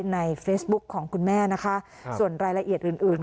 ในเฟซบุ๊คของคุณแม่นะคะส่วนรายละเอียดอื่นอื่น